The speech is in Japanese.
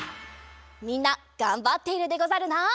みんながんばっているでござるな？